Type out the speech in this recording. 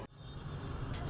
giao thông vận tải